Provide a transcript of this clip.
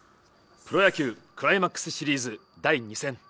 プロ野球クライマックスシリーズ第２戦